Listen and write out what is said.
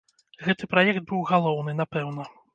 Гэты праект быў галоўны, напэўна.